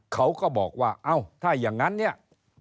เขาก็บอกว่าเอ้าถ้าอย่างนั้นเนี่ย